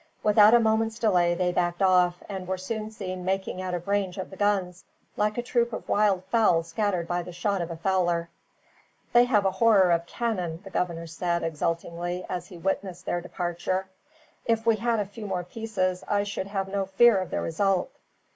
Without a moment's delay they backed off, and were soon seen making out of range of the guns, like a troop of wild fowl scattered by the shot of a fowler. "They have a horror of cannon," the governor said, exultingly, as he witnessed their departure. "If we had a few more pieces, I should have no fear of the result."